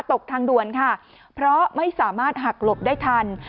ตกทางด่วนค่ะเพราะไม่สามารถหักหลบได้ทัน